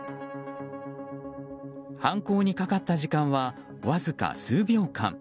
犯行にかかった時間はわずか数秒間。